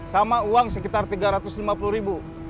sama uang sekitar tiga ratus lima puluh ribu